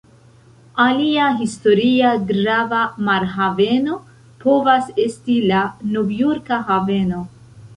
Alia historia grava marhaveno povas esti la Novjorka Haveno.